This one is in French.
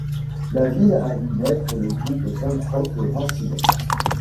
La ville a vu naitre le groupe punk rock Rancid.